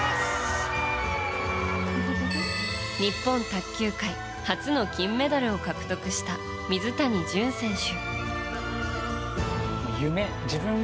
日本卓球界初の金メダルを獲得した水谷隼選手。